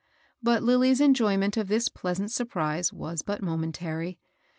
But Lilly's enjoyment of this pleasant surprise was but momentary.